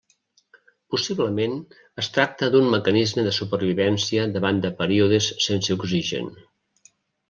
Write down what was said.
Possiblement es tracta d'un mecanisme de supervivència davant de períodes sense oxigen.